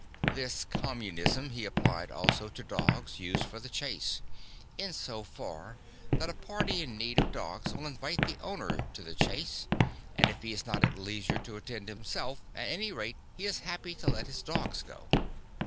This communism he applied also to dogs used for the chase; in so far that a party in need of dogs will invite the owner to the chase, and if he is not at leisure to attend himself, at any rate he is happy to let his dogs go.